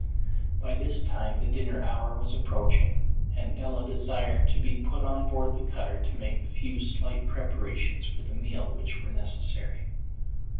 By this time the dinner hour was approaching, and Ella desired to be put on board the cutter to make the few slight preparations for the meal which were necessary.